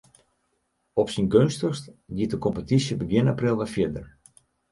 Op syn geunstichst giet de kompetysje begjin april wer fierder.